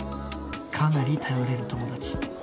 かなり頼れる友達